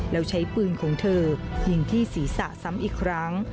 แล้วใช้ปืนของเธอยิงที่ศีรษะซ้ำอีกครั้ง